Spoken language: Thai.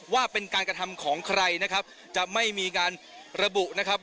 ว่าเป็นการกระทำของใครนะครับจะไม่มีการระบุนะครับ